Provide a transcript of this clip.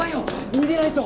逃げないと！